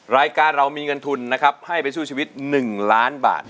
รายการเรามีเงินทุนนะครับให้ไปสู้ชีวิต๑ล้านบาท